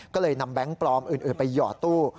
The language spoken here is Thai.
ก็เลยนำแบงค์ปลอมอื่นไปหยอดตู้